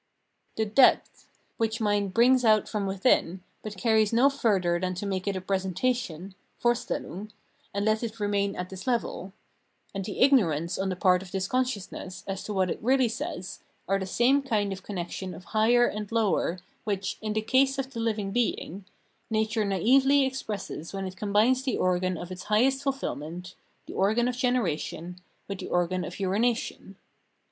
The " depth " which mind brings out from within, but carries no further than to make it a presentation (Vorstellung), and let it remain at this level — and the " ignorance " on the part of this consciousness as to what Reason's Reality 337 it really says, are the same kind of connection of higher and lower which, in the case of the hving being, nature naively expresses when it combines the organ of its highest fulfilment, the organ of generation, with the organ of urination.